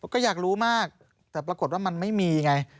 ก็อยากรู้มากแต่ปรากฏว่ามันไม่มีไง